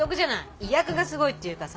意訳がすごいっていうかさ。